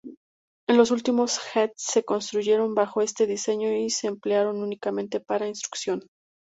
Los últimos Hecht se construyeron bajo este diseño y se emplearon únicamente para instrucción.